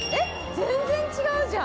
全然違うじゃん！